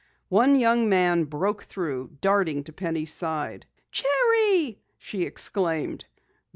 One young man broke through, darting to Penny's side. "Jerry!" she exclaimed.